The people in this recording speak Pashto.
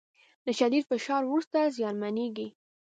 له شدید فشار وروسته زیانمنېږي